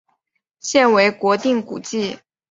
现为国定古迹。